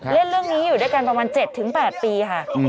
เร่งเรื่องนี้อยู่ด้านใบวัน๗๘ปีค่ะ